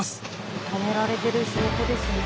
認められてる証拠ですね。